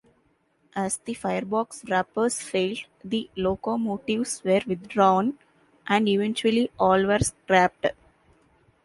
As the firebox wrappers failed, the locomotives were withdrawn, and eventually all were scrapped.